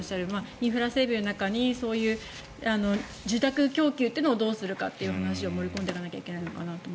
インフラ整備の中にそういう住宅供給をどうするかという話を盛り込んでいかなきゃいけないのかなと。